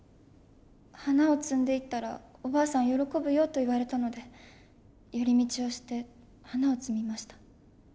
「花を摘んでいったらおばあさん喜ぶよ」と言われたので寄り道をして花を摘みました。